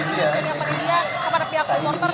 ini sebenarnya pada pihak supporter